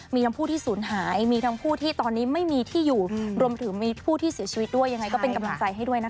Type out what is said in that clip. มีทั้งผู้ที่สูญหายมีทั้งผู้ที่ตอนนี้ไม่มีที่อยู่รวมถึงมีผู้ที่เสียชีวิตด้วยยังไงก็เป็นกำลังใจให้ด้วยนะคะ